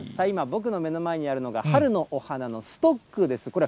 今、僕の目の前にあるのが春のお花のストックです。